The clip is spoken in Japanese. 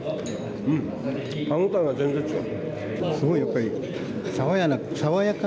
歯応えが全然違う。